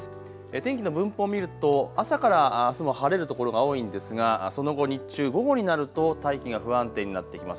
天気の分布を見ると朝からあすも晴れる所が多いんですがその後、日中、午後になると大気が不安定になってきます。